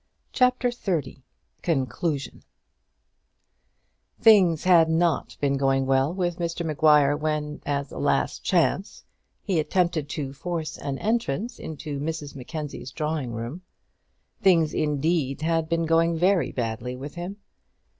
CHAPTER XXX Conclusion Things had not been going well with Mr Maguire when, as a last chance, he attempted to force an entrance into Mrs Mackenzie's drawing room. Things, indeed, had been going very badly with him.